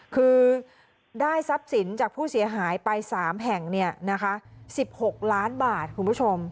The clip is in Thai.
คือได้ทรัพย์สินจากผู้เสียหายไป๓แห่ง๑๖ล้านบาทคุณผู้ชม